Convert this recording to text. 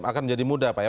akan menjadi mudah pak ya